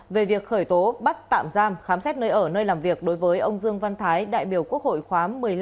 về việc khởi tố bắt tạm giam khám xét nơi ở nơi làm việc đối với ông dương văn thái đại biểu quốc hội khóa một mươi năm